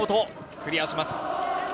クリアします。